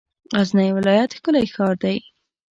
غزنی ولایت ښکلی شار دی.